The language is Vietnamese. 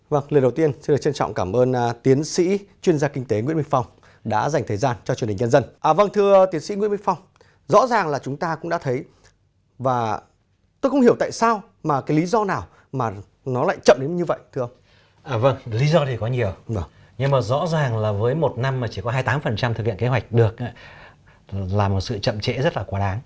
vâng lý do thì có nhiều nhưng mà rõ ràng là với một năm mà chỉ có hai mươi tám thực hiện kế hoạch được là một sự chậm trễ rất là quá đáng